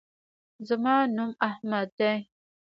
زما نوم احمد دی